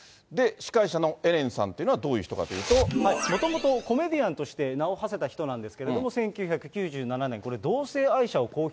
司会者のエレンさんというのはどもともと、コメディアンとして名をはせた人なんですけれども、１９９７年、同性愛者を公表。